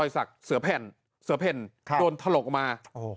สักเสื้อแผ่นโดนถลกมา